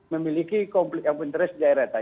memiliki konflik open interest di daerah